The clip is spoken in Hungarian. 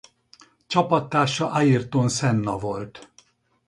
Csapattársa Ayrton Senna volt.